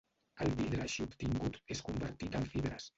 El vidre així obtingut és convertit en fibres.